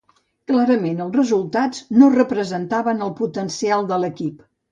Clarament els resultats no representaven el potencial de l'equip.